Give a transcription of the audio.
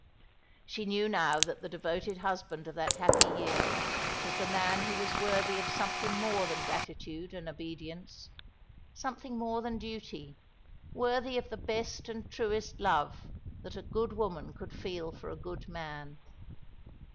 She knew now that the devoted husband of that happy year was the man who was worthy of something more than gratitude and obedience, something more than duty, worthy of the best and truest love that a good woman could feel for a good man.